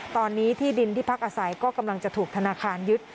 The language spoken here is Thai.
ตอนนี้ที่ดินที่พักอาศัยก็กำลังจะถูกธนาคารยึด